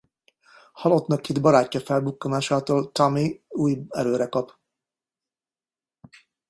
Halottnak hitt barátja felbukkanásától Tommy újult erőre kap.